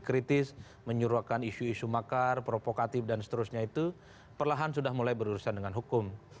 kritis menyuruhkan isu isu makar provokatif dan seterusnya itu perlahan sudah mulai berurusan dengan hukum